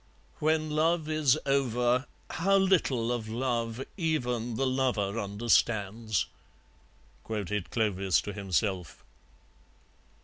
"When love is over, how little of love even the lover understands," quoted Clovis to himself.